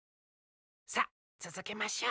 さっつづけましょう。